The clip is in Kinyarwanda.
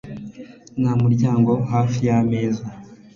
Numuryango hafi yameza